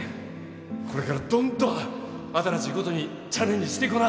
これからどんどん新しいことにチャレンジしていこな。